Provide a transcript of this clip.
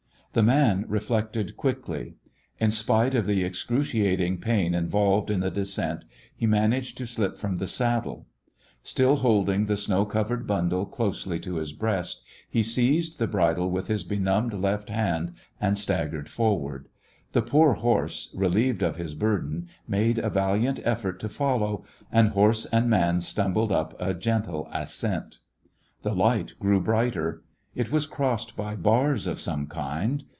The man reflected quickly. In spite of the excruciating pain in volved in the descent, he managed to slip from the saddle. Still holding the snow covered bundle closely to his breast, he seized the bridle with his The West Was Yowng benumbed left hand and staggered forward. The poor horse, reheved of his burden, made a valiant effort to follow, and horse and man stumbled up a gentle ascent. The light grew brighter. It was crossed by bars of some kind.